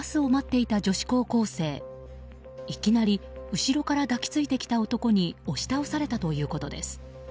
いきなり後ろから抱き付いてきた男に押し倒されたということです。